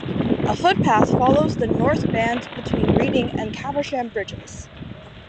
A footpath follows the north band between Reading and Caversham bridges.